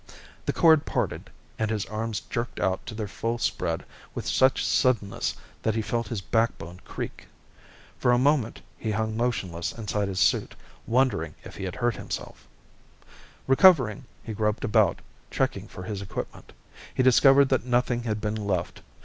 The cord parted and his arms jerked out to their full spread with such suddenness that he felt his backbone creak. For a moment, he hung motionless inside his suit, wondering if he had hurt himself. Recovering, he groped about, checking for his equipment. He discovered that nothing had been left.